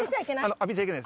浴びちゃいけない？